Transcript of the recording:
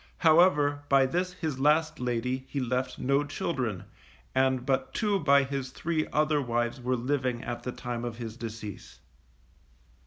However, by this his last lady, he left no children, and but two by his three other wives were living at the time of his decease.